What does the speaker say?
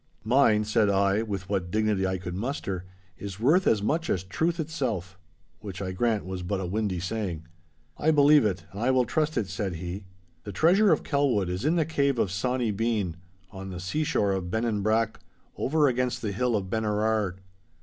'Mine,' said I, with what dignity I could muster, 'is worth as much as truth itself'—which, I grant, was but a windy saying. 'I believe it, and I will trust it,' said he. 'The treasure of Kelwood is in the cave of Sawny Bean, on the seashore of Bennanbrack, over against the hill of Benerard.